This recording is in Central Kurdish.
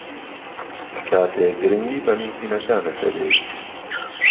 کاتێک گرنگی بە نووسینەکانت دەدەیت